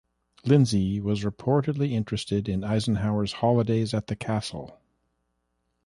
Lindsay was reportedly interested in Eisenhower's holidays at the castle.